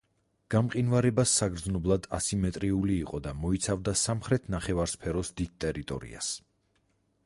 გამყინვარება საგრძნობლად ასიმეტრიული იყო და მოიცავდა სამხრეთ ნახევარსფეროს დიდ ტერიტორიას.